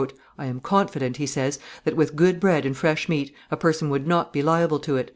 "I am confident," he says, "that, with good bread and fresh meat, a person would not be liable to it."